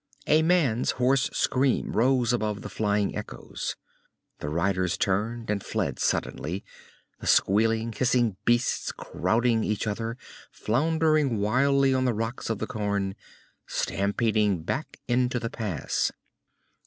A man's hoarse scream rose above the flying echoes. The riders turned and fled suddenly, the squealing, hissing beasts crowding each other, floundering wildly on the rocks of the cairn, stampeding back into the pass.